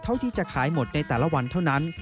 ที่จะขายหมดในแต่ละวันเท่านั้น